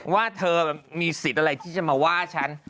ว่าเธอมีสิทธิ์อะไรที่จะมาว่าฉัน